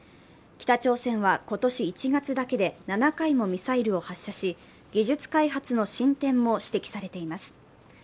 北朝鮮は今年１月だけで７回もミサイルを発射し技術開発の進展も指摘されています。